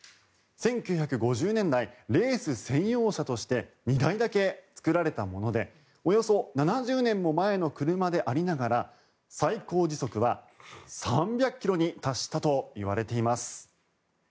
１９５０年代レース専用車として２台だけ作られたものでおよそ７０年も前の車でありながら最高時速は３００ｋｍに達したといわれています。